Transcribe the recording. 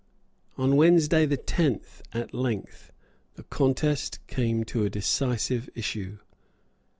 On Wednesday the tenth, at length, the contest came to a decisive issue.